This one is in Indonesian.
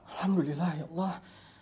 alhamdulillah ya allah